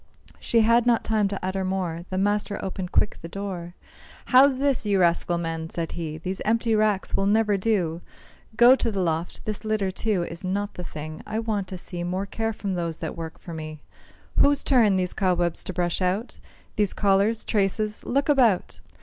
She had not time to utter more, The master opened quick the door. "How's this, you rascal men?" said he; "These empty racks will never do! Go to the loft; this litter, too, Is not the thing. I want to see More care from those that work for me; Whose turn these cobwebs to brush out? These collars, traces? look about!"